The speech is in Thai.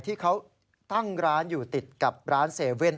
ที่เขาตั้งร้านอยู่ติดกับร้าน๗๑๑